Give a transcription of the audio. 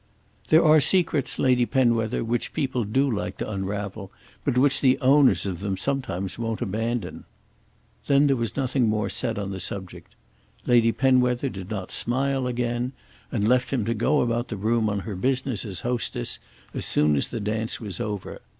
"There are secrets, Lady Penwether, which people do like to unravel, but which the owners of them sometimes won't abandon." Then there was nothing more said on the subject. Lady Penwether did not smile again, and left him to go about the room on her business as hostess, as soon as the dance was over.